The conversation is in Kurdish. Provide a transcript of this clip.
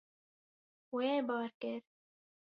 Wê bar kir.